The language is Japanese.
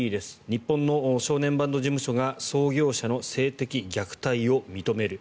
日本の少年バンド事務所が創業者の性的虐待を認める。